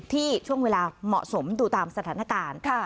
ที่ช่วงเวลาเหมาะสมดูตามสถานการณ์